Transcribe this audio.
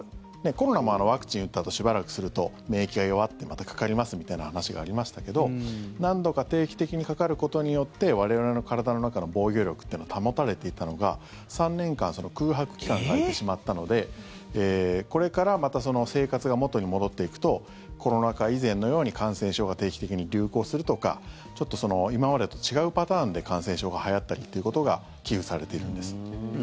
コロナもワクチンを打ったあとしばらくすると免疫が弱ってまたかかりますみたいな話がありましたけど何度か定期的にかかることによって我々の体の中の防御力というのが保たれていたのが３年間、空白期間が空いてしまったのでこれからまた生活が元に戻っていくとコロナ禍以前のように感染症が定期的に流行するとかちょっと今までと違うパターンで感染症がはやったりということが危惧されているんです。